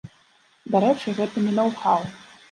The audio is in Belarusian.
Дарэчы, гэта не ноў-хаў.